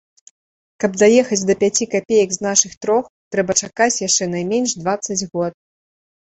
Каб даехаць да пяці капеек з нашых трох, трэба чакаць яшчэ найменш дваццаць год.